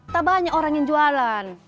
tak banyak orang yang jualan